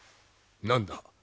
何だ？